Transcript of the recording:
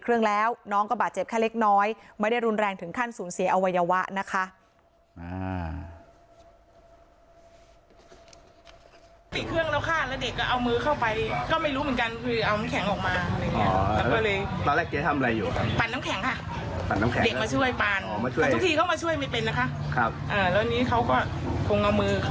ก็เป็นอุทาหอนนะคะว่าอย่าให้เด็กมาเล่นเครื่องปั่นเครื่องอะไรไม่ว่าอะไรทั้งนั้นค่ะ